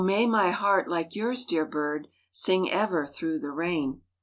may my heart, like yours, dear bird, Sing ever through the rain."